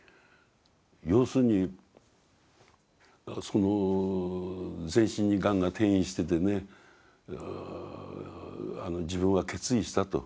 要するにその全身にがんが転移しててね自分は決意したと。